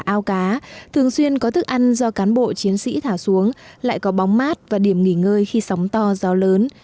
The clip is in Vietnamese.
ao cá thường xuyên có thức ăn do cán bộ chiến sĩ thả xuống lại có bóng mát và điểm nghỉ ngơi khi sóng to gió lớn